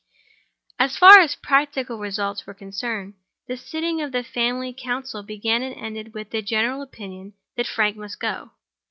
So far as practical results were concerned, the sitting of the family council began and ended with the general opinion that Frank must go.